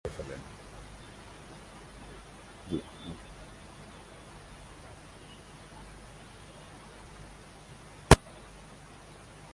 তবে এই ফিডব্যাক শুধুমাত্র বিপরীত দিকের ব্যক্তির বুঝতে পারার মাধ্যমেই সম্পন্ন হতে পারে।